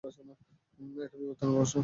এটা বিবর্তনের প্রশ্ন।